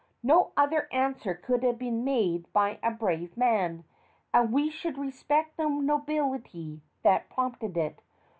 No other answer could have been made by a brave man, and we should respect the nobility that prompted it.